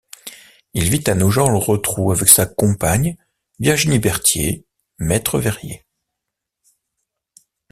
Il vit à Nogent-le-Rotrou avec sa compagne, Virginie Berthier, maître verrier.